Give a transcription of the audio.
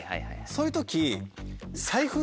そういう時。